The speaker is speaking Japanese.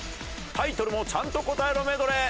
タイトルもちゃんと答えろメドレー。